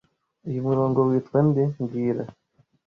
Uyu murongo witwa nde mbwira